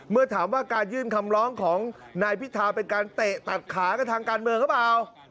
เมื่อถามว่าการยื่นคำร้องของนายพิธาเป็นการเตะตัดขากันทางการเมืองหรือเปล่า